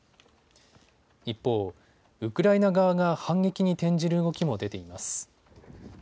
一方、ウクライナ側が反撃に転じる動きも出ています。